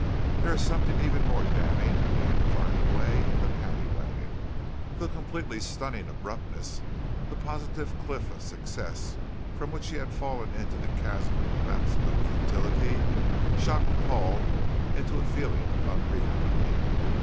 There is something even more damning in being carted away in the paddy wagon. The completely stunning abruptness; the positive cliff of success from which he had fallen into the chasm of absolute futility shocked Paul into a feeling of unreality.